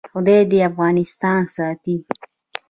خدای دې افغانستان ساتي؟